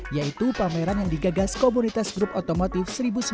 yaitu pameran yang digagas komunitas grup otomotif seribu sembilan ratus sembilan puluh